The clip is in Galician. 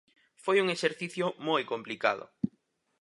Foi un exercicio moi complicado.